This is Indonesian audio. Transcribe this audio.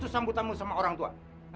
sambut kamu sama orang tua